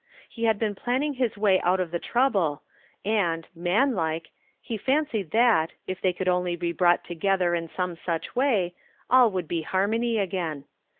He ' had been planning this way out of the trouble, and, man like, he fancied that, if they could only be brought together in some such way, all would be harmony again.